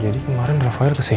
jadi kemarin rafael kesini